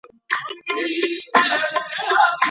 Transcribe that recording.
د زده کړي کیفیت د زده کړي تر اندازې مهم دی.